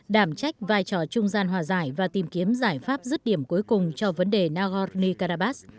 đảm trách vai trò trung gian hòa giải và tìm kiếm giải pháp dứt điểm cuối cùng cho vấn đề nagorno karabakh